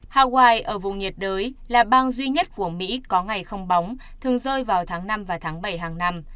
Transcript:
hawaii ở vùng nhiệt đới là bang duy nhất của mỹ có ngày không bóng thường rơi vào tháng năm và tháng bảy hàng năm